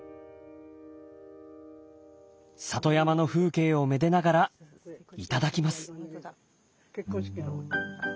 里山の風景をめでながらいただきます。